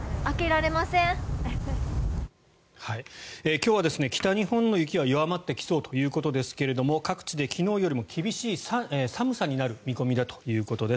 今日は北日本の雪は弱まってきそうということですが各地で昨日よりも厳しい寒さになる見込みだということです。